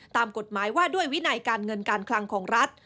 ตามกฎหมายว่าด้วยวินัยการเงินการคลังของรัฐ